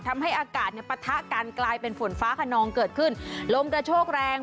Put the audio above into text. ทำให้อากาศเนี่ยปะทะกันกลายเป็นฝนฟ้าขนองเกิดขึ้นลมกระโชกแรง